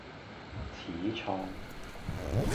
始創